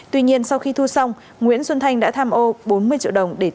tuy nhiên sau khi thu xong nguyễn xuân thanh đã tham ô bốn mươi triệu đồng để tiêu xài cá nhân